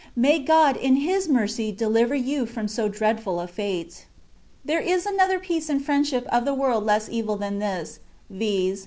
May God in his mercy deliver you from so dreadfdl a fate. There is another peace and friendship of the world less evil than this, viz.